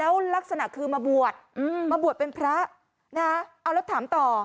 แล้วลักษณะคือมาบวชมาบวชเป็นพระนะเอาแล้วถามต่อ